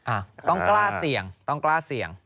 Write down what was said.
ต้องกล้าเสี่ยงต้องกล้าเสี่ยง